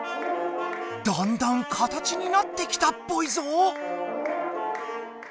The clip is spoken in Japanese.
だんだん形になってきたっぽいぞ。